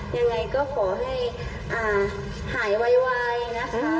ยังไงก็ขอให้หายไวนะคะ